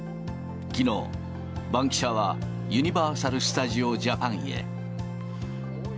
きのう、バンキシャはユニバーサル・スタジオ・ジャパンへ。